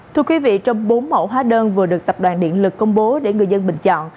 thưa quý vị trong bốn mẫu hóa đơn vừa được tập đoàn điện lực công bố để người dân bình chọn